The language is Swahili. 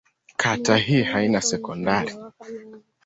Kata hii haina sekondari.